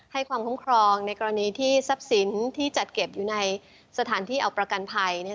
ความคุ้มครองในกรณีที่ทรัพย์สินที่จัดเก็บอยู่ในสถานที่เอาประกันภัย